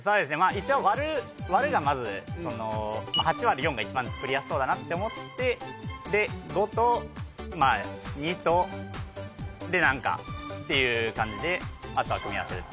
一応÷がまず８÷４が一番作りやすそうだなって思って５と２とで何かっていう感じであとは組み合わせです